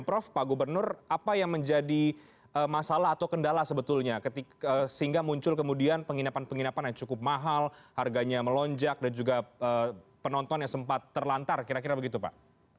prof pak gubernur apa yang menjadi masalah atau kendala sebetulnya sehingga muncul kemudian penginapan penginapan yang cukup mahal harganya melonjak dan juga penonton yang sempat terlantar kira kira begitu pak